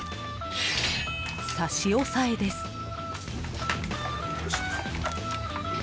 差し押さえです。